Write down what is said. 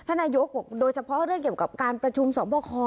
นายกบอกโดยเฉพาะเรื่องเกี่ยวกับการประชุมสอบคอ